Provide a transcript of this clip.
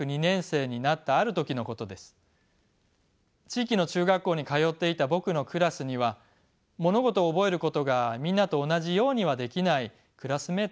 地域の中学校に通っていた僕のクラスには物事を覚えることがみんなと同じようにはできないクラスメートがいました。